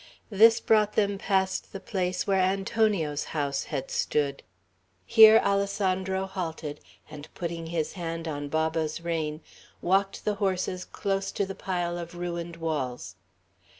This brought them past the place where Antonio's house had stood. Here Alessandro halted, and putting his hand on Baba's rein, walked the horses close to the pile of ruined walls.